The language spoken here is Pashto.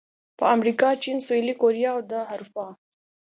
په امریکا، چین، سویلي کوریا او د اروپا